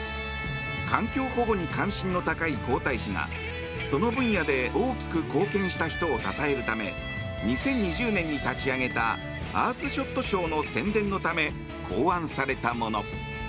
環境保護に関心の高い皇太子がその分野で大きく貢献した人をたたえるため２０２０年に立ち上げたアースショット賞の宣伝のため考案されたもの。